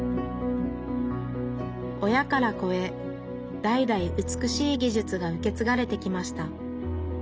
親から子へ代々美しい技術が受け継がれてきました。